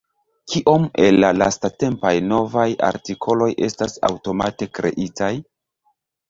Kiom el la lastatempaj novaj artikoloj estas aŭtomate kreitaj?